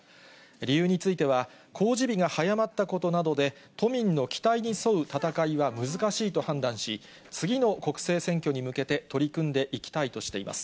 理由については、公示日が早まったことなどで、都民の期待に沿う戦いは難しいと判断し、次の国政選挙に向けて取り組んでいきたいとしています。